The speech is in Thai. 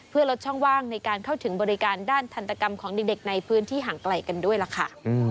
เพื่อลดช่องว่างในการเข้าถึงบริการด้านทันตกรรมของเด็กในพื้นที่ห่างไกลกันด้วยล่ะค่ะ